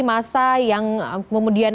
masa yang kemudian